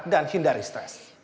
dan hindari stres